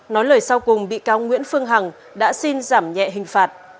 nói lời sau cùng bị cáo nguyễn phương hằng đã xin giảm nhẹ hình phạt